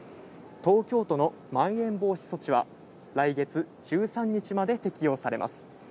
東京都のまん延防止措置は、来月１３日まで適用されます。